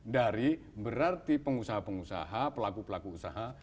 dari berarti pengusaha pengusaha pelaku pelaku usaha